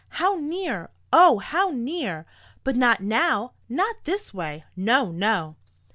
How near oh, how near! But not now not this way! No! No!"